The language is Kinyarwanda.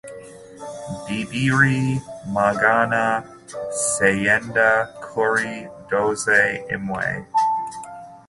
Bibiri Magana cyenda kuri doze imwe